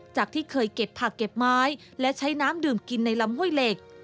จากที่เคยเก็บผักเก็บไม้และใช้น้ำดื่มกินในลำห้วยเหล็ก